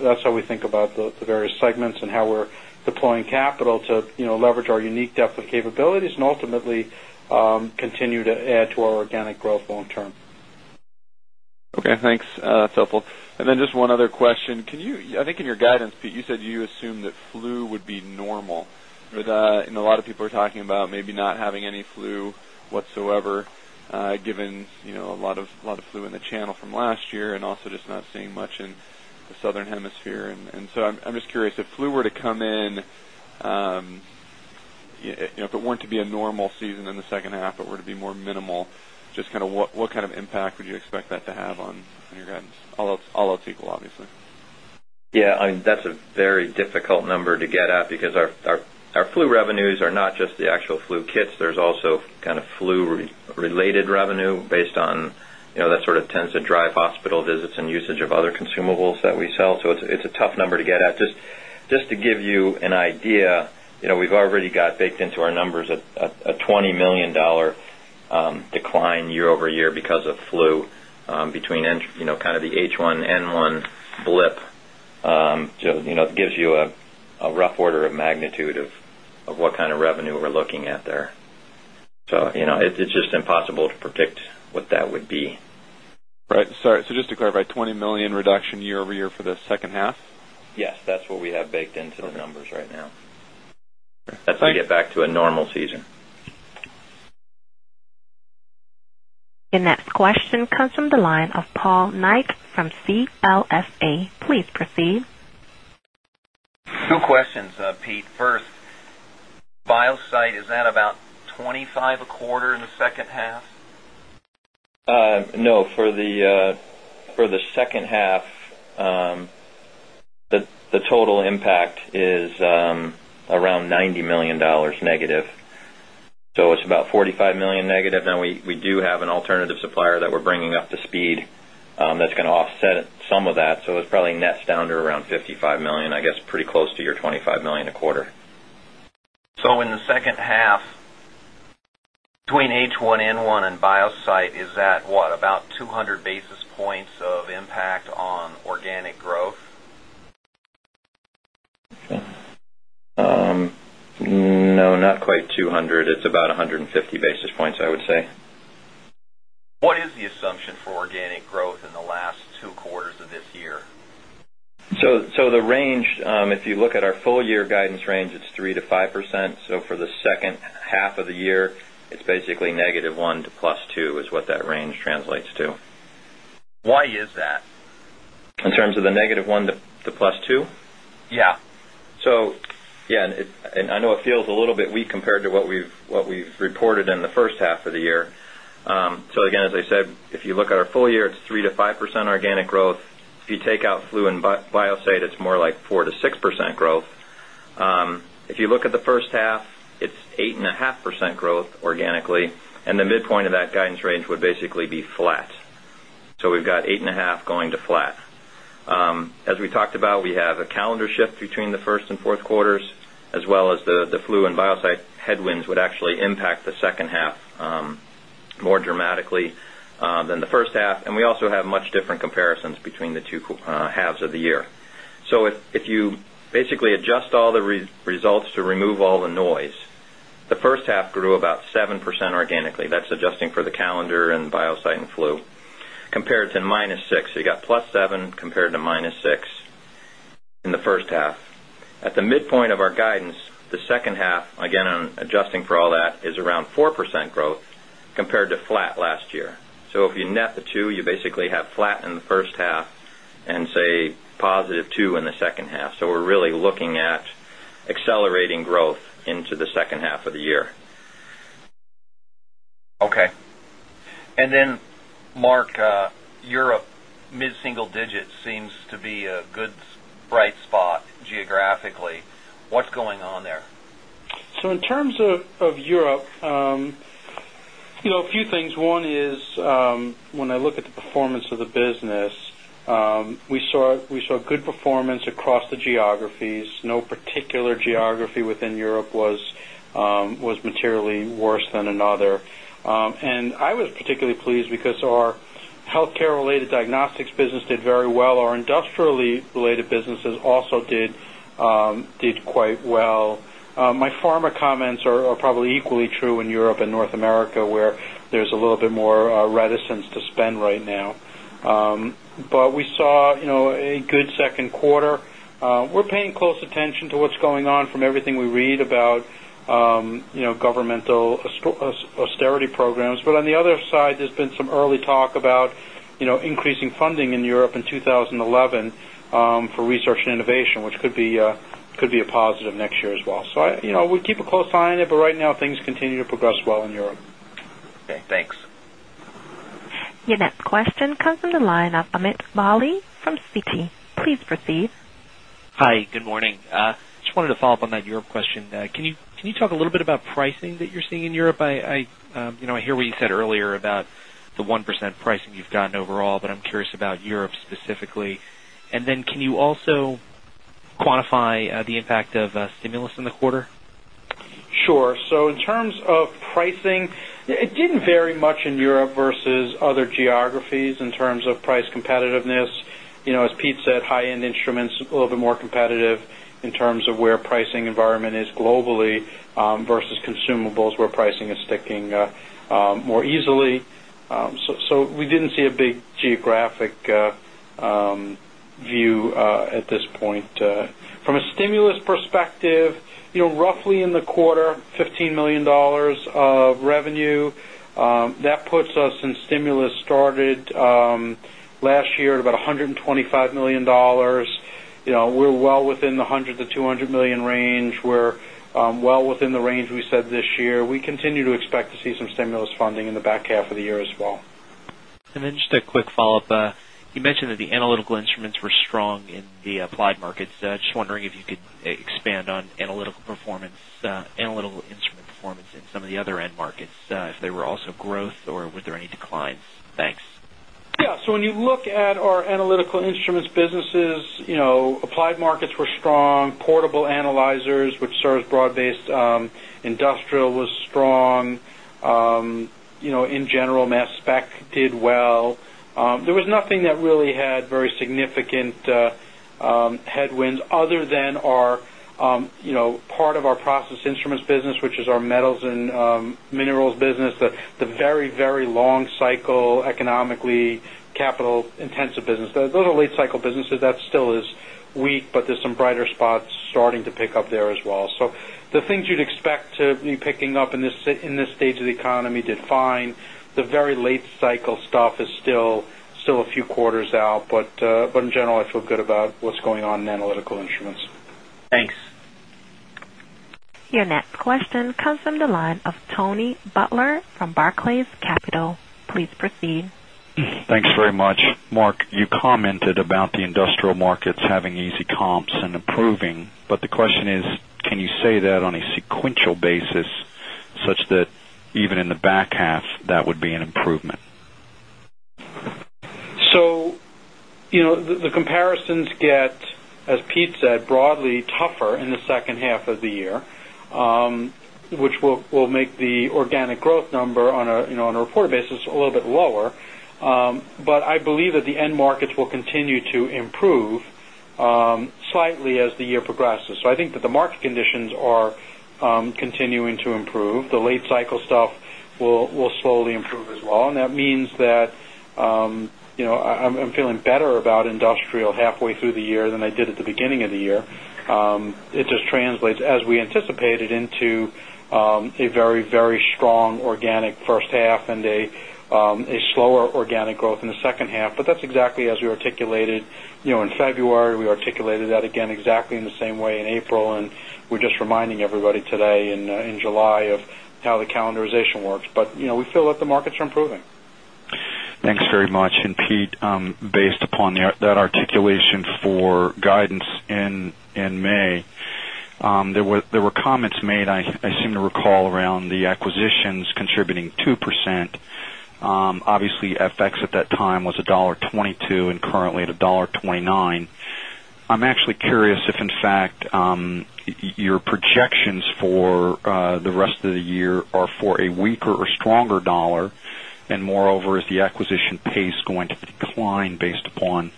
B: that's how we think about the various estimates and how we're deploying capital to leverage our unique depth of capabilities and ultimately continue to add to our organic is long term.
L: Okay, thanks. That's helpful. And then just one other question. Can you I think in your guidance, Pete, you said estimate that flu would be normal and a lot of people are talking about maybe not having any flu whatsoever, given a lot of flu channel from last year and also just not seeing much in the Southern Hemisphere. And so I'm just curious, if flu were to come in, If it weren't to be a normal season in the second half, it were to be more minimal, just kind of what kind of impact would you expect that to have on your All else equal, obviously.
D: Yes, that's a very difficult number to get at because our flu revenues are not just the actual flu kits, S. E. C. And the consumables that we sell. So it's a tough number to get at. Just to give you an idea, we've already got baked into our numbers a 20 $1,000,000 decline year over year because of flu between kind of the H1N1 blip, it gives you a rough order of magnitude of what kind of revenue we're looking at there. So it's just possible to predict what that would be. Right. Sorry. So just
L: to clarify, dollars 20,000,000 reduction year over year for the second half?
D: Yes. That's what we have baked estimate Let's get back to a normal season.
E: Your next question
D: is that about 25 a quarter in the second half? No, for the second half, estimate is around $90,000,000 negative. So it's about $45,000,000 negative, then we do have an alternative supplier that we're bringing up to speed that's going to offset some of that. So it's net is down to around $55,000,000 I guess pretty close to your $25,000,000 a quarter. So in the second half Between H1N1 and BioSight, is that what about 200 basis points of impact on organic growth? No, not quite 200. It's about 150 basis year guidance range, it's 3% to 5% to 5% to So the range, if you look at our full year guidance range, it's 3% to 5%. So for the second half of the year, it's basically negative 1% to plus 2% is what that range translates to. Why is that? In terms of the negative one percent to plus 2%? Yes. So Yes, and I know it feels a little bit weak compared to what we've reported in the first half of the year. So again, as I said, if you SG and A expenses are 8.5% growth organically and the midpoint of that guidance range would basically be flat. So we've got 8.5% going to flat. SMEs, as we talked about, we have a calendar shift between the 1st and 4th quarters, as well as the flu and biocide headwinds would actually impact the second half more dramatically than the first half. And we also have much different comparisons between the two halves estimates are not subject to the year. So if you basically adjust all the results to remove all the noise, the first half grew about 7% organically, that's adjusting for the calendar and S-sixteen and flu compared to minus 6, so you got plus 7 compared to minus 6 in the first half. At the midpoint of our guidance, the second half, again, adjusting for all that is around 4% growth compared to flat last year. So if estimate, you basically have flat in the first half and say positive 2 in the second half. So we're really looking at estimating growth into the second half of the year. Okay. And then, Mark, Europe, mid single digit estimate seems to be a good bright spot geographically. What's going on there?
B: So in terms of estimates across the geographies, no particular geography within Europe was materially worse than another. And I was particularly pleased because SPSR Healthcare related diagnostics business did very well, our industrially related businesses also did quite well. My pharma comments are probably equally true in Europe and North America where there's a little bit more reticence to spend right now. But we estimate is a good second quarter. We're paying close attention to what's going on from everything we read about mental austerity programs. But on the other side, there's been some early talk about increasing funding in Europe in 2011 for research estimation, which could be a positive next year as well. So we'll keep a close eye on it, but right now things continue to progress well in Europe.
F: Okay, thanks.
E: Your Your next question comes from the line of Amit Bali from Citi. Please proceed.
M: Hi, good morning. Just wanted to follow-up on that Europe estimate can you talk a little bit about pricing that you're seeing in Europe? I hear what you said earlier about the 1% pricing you've gotten But I'm curious about Europe specifically. And then can you also quantify the impact of stimulus in the quarter?
B: Sure. So in terms instruments are a little bit more competitive in terms of where pricing environment is globally versus consumables where pricing is sticking stimulus perspective, roughly in the quarter, dollars 15,000,000 of revenue, that
C: puts us in stimulus started
B: last year at about 125 stimulus started last year at about $125,000,000 we're well within the $100,000,000 to $200,000,000 range. We're well within the range we said this year, we continue to expect to see some stimulus funding in the back half of the year as well.
M: And then just a quick follow-up. You mentioned that the our You mentioned that the analytical instruments were strong in the applied markets. Just wondering if you could expand on analytical instrument performance in some of the other end markets, if there were also growth or were there any declines? Thanks.
B: Yes. So when you look at our analytical instruments businesses, applied markets were strong, portable analyzers, which serves broad based SME drill was strong, in general, mass spec did well. There was nothing that really had very significant S and minerals business, the very, very long cycle economically capital intensive business, those are late cycle business that still is weak, but there's some brighter spots starting to pick up there as well. So the things you'd expect to be picking up estimate in this stage of the economy did fine, the very late cycle stuff is still a few quarters out. But in general, I feel estimate I feel good about what's going on
F: in analytical instruments. Thanks.
E: Your next question comes from the line of Tony Butler SME's from Barclays Capital. Please proceed.
K: Thanks very much. Mark, you commented about the industrial markets having easy S and P and L are improving. But the question is, can you say that on a sequential basis such that even in the back SME passed that would be an improvement?
B: So the comparisons get, as Pete said, broadly tougher in the second half of the year, which will make the organic growth number on a reported basis a little bit lower. But I believe that the end markets will continue to improve slightly as the year progresses. So I think that the market assumptions are continuing to improve, the late cycle stuff will slowly improve as well. And that means that I'm feeling better about Industrial halfway through the year than they did at the beginning of the year, it just translates as we anticipated into a very, very strong organic first half and a slower organic growth in the second half. But that's exactly as we estimated in February, we articulated that again exactly in the same way in April and we're just reminding everybody today in July of how the calendarization works, but we feel that the markets are improving.
K: Thanks very much. And Pete, based upon that articulation for guidance in and A. There were comments made, I seem to recall, around the acquisitions contributing 2%. Obviously,
C: S and P expense at that time was
K: $1.22 and currently at $1.29 I'm actually curious if in fact Your projections for the rest of the year are for a weaker or stronger dollar and moreover is the acquisition pace going to decline based estimate is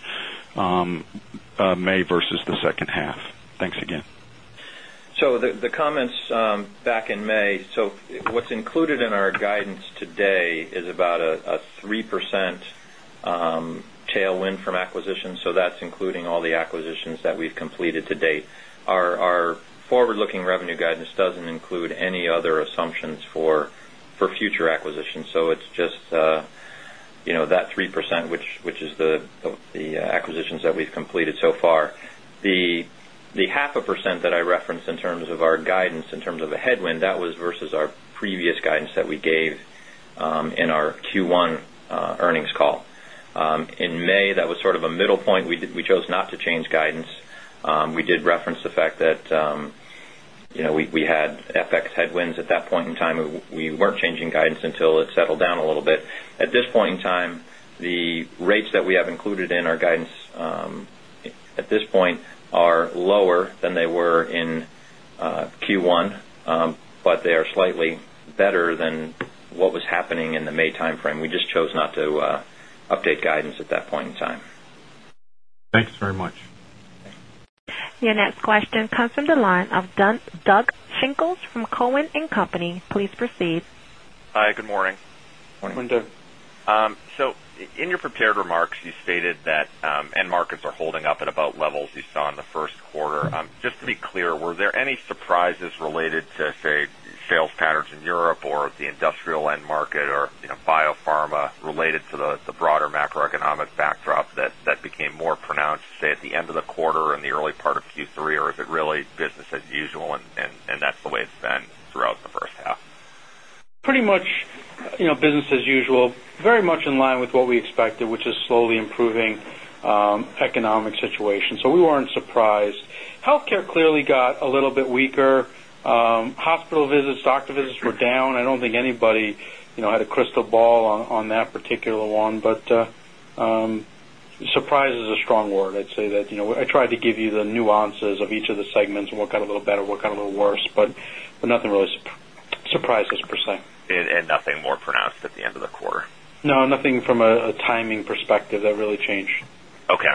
K: on May versus the second half? Thanks again.
D: So the comments back in May, so what's included in our guidance today is about a 3% tailwind from acquisitions, so that's including all acquisitions that we've completed to date. Our forward looking revenue guidance doesn't include any other assumptions for future acquisitions. So estimate in terms of our guidance, in terms of a headwind, that was versus our previous guidance that we gave in our Q1 earnings call. In May, estimate that was sort of a middle point, we chose not to change guidance. We did reference the fact that we had FX headwinds at point in time, we weren't changing guidance until it settled down a little bit. At this point in time, the rates that we have included in our guidance at estimates are lower than they were in Q1, but they are slightly better than what was happening in the May timeframe. We just chose not to update guidance at that point in time.
L: Thanks very much.
E: Your next question comes from the line of Doug Schenkel from Cowen and Company, please proceed.
N: Hi, good morning.
B: Good morning, Doug.
N: So in your prepared remarks, you estimate that end markets are holding up at about levels you saw in the Q1. Just to be clear, were there any surprises related to, say, sales estimate became more pronounced, say, at the end of the quarter or in the early part of Q3 or is it really business as usual and that's the way it's been throughout the first half?
B: Pretty much business as usual, very much in line with what we expected, which is slowly improving economic situation. So we weren't surprised. Healthcare clearly got a little bit weaker, hospital visits, doctor visits were down. I don't think anybody had a crystal ball on that particular one, but SMM surprise is a strong word, I'd say that I tried to give you the nuances of each of the segments and what got a little better, what got a little worse, but nothing really surprises per se.
M: And nothing more pronounced at the end of the quarter? No, nothing
N: And nothing more pronounced at the end of the quarter?
B: No, nothing from a timing perspective that really changed.
N: Okay.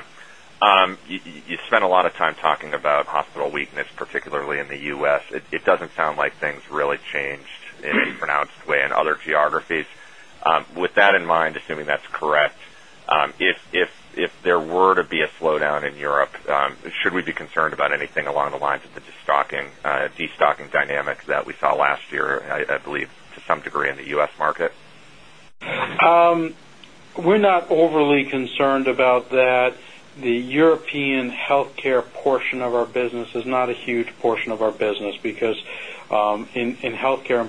N: You spent a lot of time talking about hospital weakness, particularly in the U. S. It doesn't sound like things really changed in pronounced way in other geographies. With that in mind, assuming that's correct, if there were to be a slowdown in Europe, should would be concerned about anything along the lines of the destocking dynamics that we saw last year, I believe, to some degree in
B: is not a huge portion of our business because in healthcare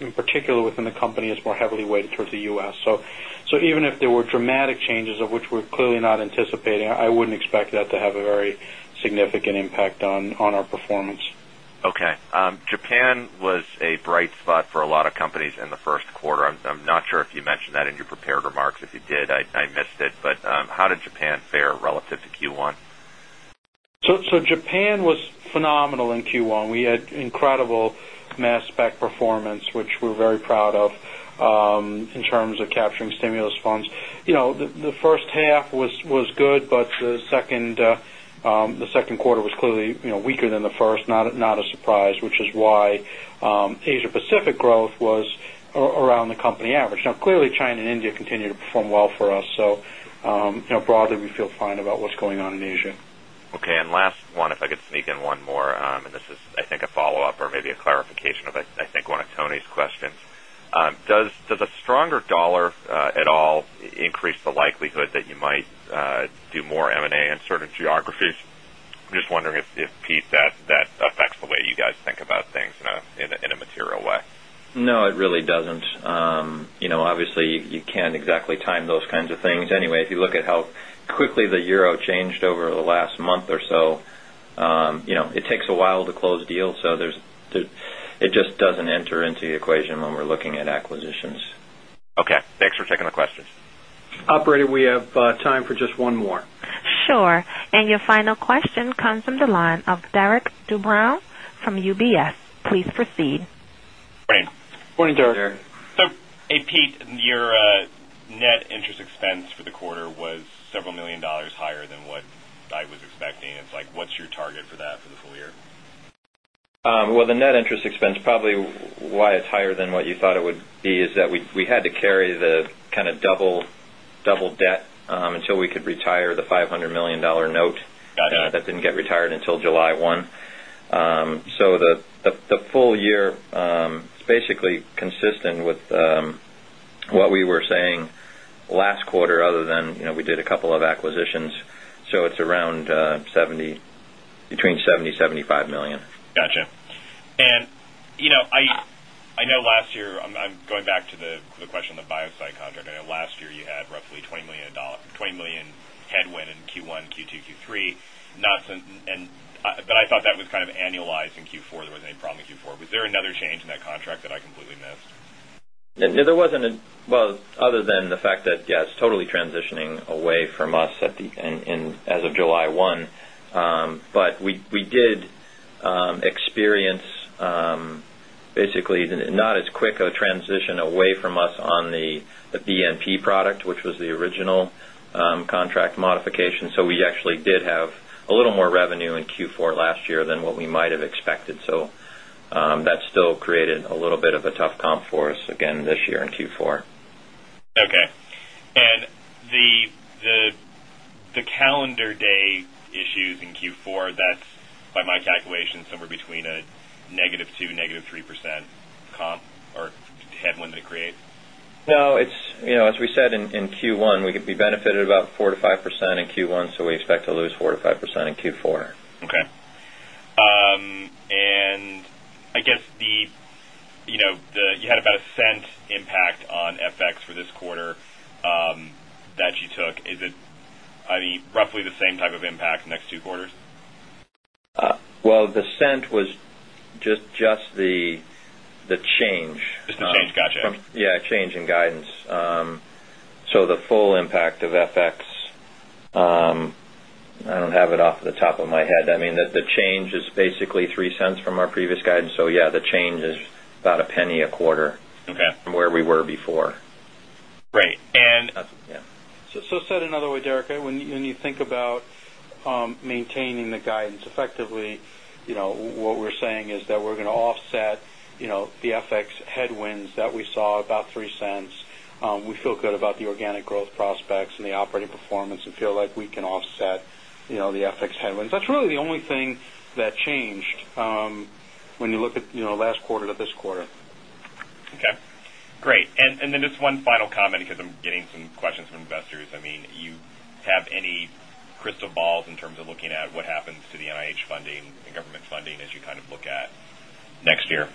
B: in particular within the company is more heavily weighted towards the SUS. So even if there were dramatic changes of which we're clearly not anticipating, I wouldn't expect that to have a very significant impact on our performance.
N: Okay. Japan was a bright spot for a lot of companies in the Q1. I'm not sure if you mentioned that in your prepared remarks. If you did, I missed it, but how did Japan fare relative to Q1?
B: So Japan was phenomenal in SG and A, we had incredible mass spec performance, which we're very proud of in terms of capturing stimulus funds. The first half was could, but the second quarter was clearly weaker than the first, not a surprise, which is why Asia Pacific growth was around the company average. Now clearly, China and India continue to perform well for us. So broadly, we feel fine about what's on an Asia.
N: Okay. And last one, if I could sneak in one more, and this is, I think, a follow-up or maybe a clarification of, I think, one of Tony's SMA and certain geographies. Just wondering if, Pete, that affects the way you guys think about things in a material way?
D: No, it really doesn't. Estimate is, obviously, you can't exactly time those kinds of things. Anyway, if you look at how quickly the euro changed over the last month or so, it takes allow to close deals. So there's it just doesn't enter into the equation when we're looking at acquisitions.
O: Estimate is higher than what I was expecting, it's like what's your target for that for the full year?
D: Well, the net interest expense probably estimate is higher than what you thought it would be is that we had to carry the kind of double debt until we could retire the 500,000,000 dollar note that didn't get retired until July 1. So the full year is basically consistent with what we were saying last quarter other than we did a couple of acquisitions. So is around $70,000,000 between $70,000,000 $75,000,000
O: Got you. And I know last year, I'm going Back to the question of BioSight contract, I know last year you had roughly $20,000,000 headwind in Q1, Q2, Q3. But I thought that was kind of annualized in Q4, there wasn't any problem in Q4. Was there another change in that contract that I completely missed?
D: There wasn't a well, other than the fact estimate, yes, totally transitioning away from us at the end as of July 1. But we did experience basically not as quick a transition away from us on the BNP product, which was the original contract modification. So we actually did have a little more revenue in Q4 last year, so we actually did have a little more revenue in Q4 last year than what we might have expected. So that still created a little bit of a tough comp for us again this year in Q4.
O: Okay. And estimate is the calendar day issues in Q4, that's by my calculation somewhere between
D: is about 4% to 5% in Q1, so we expect to lose 4% to 5% in Q4.
O: Okay. And I estimate is the you had about a Same type of impact next 2 quarters?
D: Well, the cent was just the change. Just
O: the change, got
D: Yes, change in guidance. So the full impact of FX, I don't have it off the top of my head, I mean that the change is basically $0.03 from our previous guidance. So yes, the change is about $0.01 a quarter from where were before. Right.
B: And so said another way, Derek, when you think about maintaining in the guidance effectively, what we're saying is that we're going to offset the FX headwinds that we saw about SME stands, we feel good about the organic growth prospects and the operating performance and feel like we can offset the FX headwinds. That's The only thing that changed when you look at last quarter to this quarter.
O: Okay, great. And then just one final comment, because I'm getting some questions from investors, I mean, you have any crystal balls in terms of looking at what happens to the NIH estimate funding as you kind of look at next year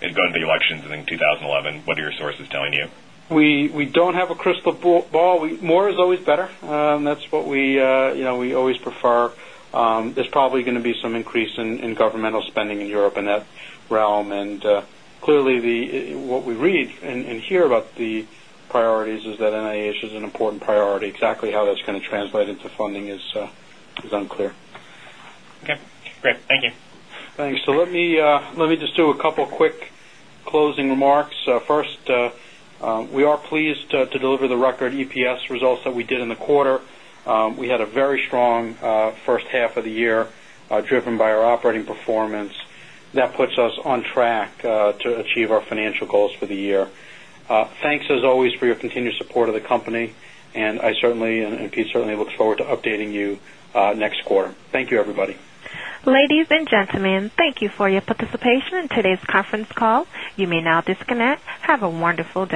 O: and going to the elections in 2011, what are your sources telling you?
B: We don't have a crystal But, Paul, more is always better. That's what we always prefer. There's probably going to be some increase in governmental spending in are up in that realm. And clearly, what we read and hear about the priorities is that NIH is an important priority. Exactly how that's going estimate
C: is
B: couple of quick closing remarks. First, we are pleased to deliver the record EPS results that we did in the quarter. Estimate we had a very strong first half of the year driven by our operating performance. That puts us on track of our financial goals for the year. Thanks as always for your continued support of the company. And I certainly and Pete certainly look were to updating you next quarter. Thank you, everybody.
E: Ladies and gentlemen, thank you for your participation in today's conference call. You may now disconnect. Have a wonderful